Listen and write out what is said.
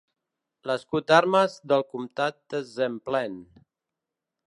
– L'escut d'armes del comptat de Zemplén.